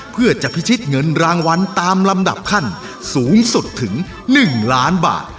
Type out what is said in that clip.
เพื่อจะพิชิตเงินรางวัลตามลำดับขั้นสูงสุดถึง๑ล้านบาท